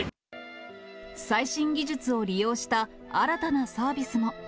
最新技術を利用した新たなサービスも。